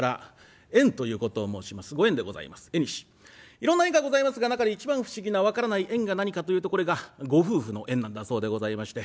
いろんな縁がございますが中で一番不思議な分からない縁が何かというとこれがご夫婦の縁なんだそうでございまして。